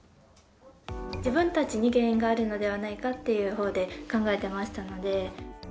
自分たちに原因があるのではないかっていうほうで考えてましたので。